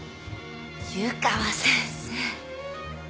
湯川先生。